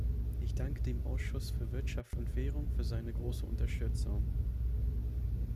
Ich danke dem Ausschuss für Wirtschaft und Währung für seine große Unterstützung.